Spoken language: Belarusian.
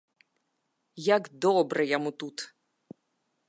Як добра яму тут!